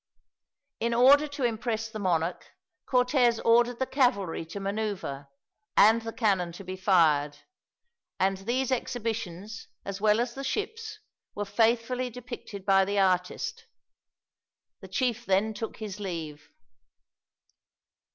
In order to impress the monarch, Cortez ordered the cavalry to maneuver, and the cannon to be fired; and these exhibitions, as well as the ships, were faithfully depicted by the artist. The chief then took his leave.